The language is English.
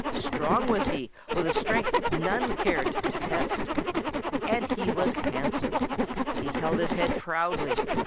Strong was he with a strength none cared to test. And he was handsome. He held his head proudly.